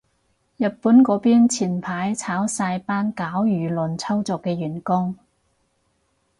日本嗰邊前排炒晒班搞輿論操作嘅員工